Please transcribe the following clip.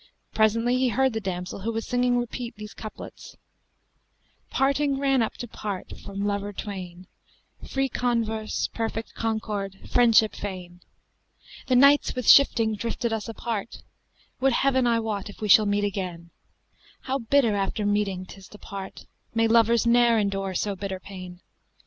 Presently, he heard the damsel who was singing repeat these couplets, 'Parting ran up to part from lover twain * Free converse, perfect concord, friendship fain: The Nights with shifting drifted us apart, * Would heaven I wot if we shall meet again: How bitter after meeting 'tis to part, * May lovers ne'er endure so bitter pain!